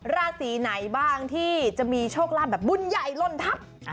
ราศีไหนบ้างที่จะมีโชคลาภแบบบุญใหญ่ลนทัพ